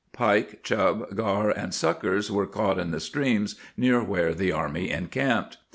Pike, chub, gar and suckers were caught in the streams near where the army encamped.